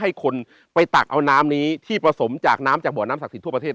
ให้คนไปตักเอาน้ำนี้ที่ผสมจากน้ำจากบ่อน้ำศักดิ์ทั่วประเทศ